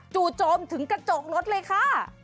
โจมถึงกระจกรถเลยค่ะ